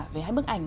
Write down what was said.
về hai bức ảnh